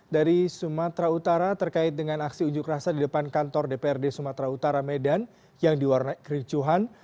dari sumatera utara terkait dengan aksi unjuk rasa di depan kantor dprd sumatera utara medan yang diwarnai kericuhan